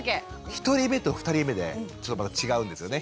１人目と２人目でちょっとまた違うんですよね。